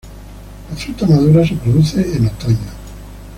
La fruta madura se produce en otoño.